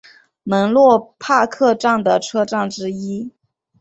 门洛帕克站的车站之一。